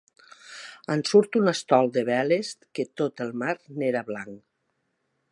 En surt un estol de veles, que tot el mar n’era blanc.